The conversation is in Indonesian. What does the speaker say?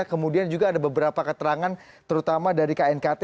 kemudian juga ada beberapa keterangan terutama dari knkt